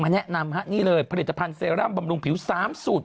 แนะนำฮะนี่เลยผลิตภัณฑ์เซรั่มบำรุงผิว๓สูตร